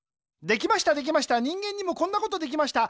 できましたできました人間にもこんなことできました。